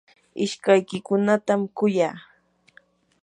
ishkaykiykunatam kuyaa.